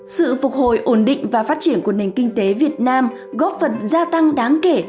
sự phục hồi ổn định và phát triển của nền kinh tế việt nam góp phần gia tăng đáng kể